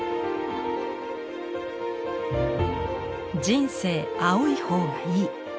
「人生青い方がいい」。